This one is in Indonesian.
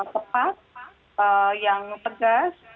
rapat yang pegas